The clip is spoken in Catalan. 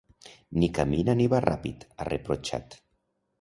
“Ni camina ni va ràpid”, ha reprotxat.